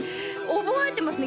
覚えてますね